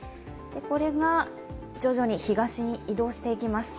これが徐々に東に移動していきます。